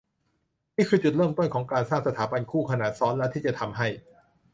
นี่คือจุดเริ่มต้นของการสร้างสถาบันคู่ขนานซ้อนรัฐที่จะทำให้